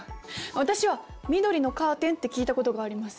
私は緑のカーテンって聞いたことがあります。